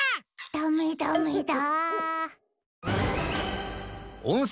ダメダメだ。